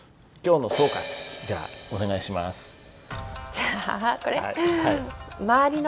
じゃあこれ！